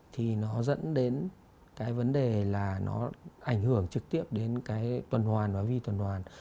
thì nó dẫn đến cái vấn đề là nó ảnh hưởng trực tiếp đến cái tuần hoàn và vi tuần hoàn